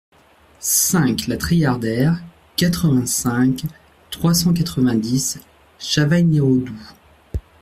cinq la Treillardière, quatre-vingt-cinq, trois cent quatre-vingt-dix, Chavagnes-les-Redoux